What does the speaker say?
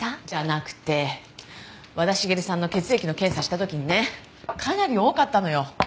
じゃなくて和田茂さんの血液の検査した時にねかなり多かったのよ